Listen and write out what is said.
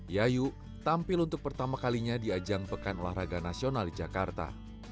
yayu tampil untuk pertama kalinya di ajang pekan olahraga nasional di jakarta